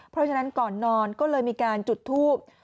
เพราะฉะนั้นก่อนนอนก็เลยมีการจุดทูบ